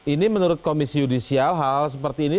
ini menurut komisi yudisial hal hal seperti ini